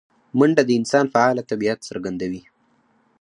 منډه د انسان فعاله طبیعت څرګندوي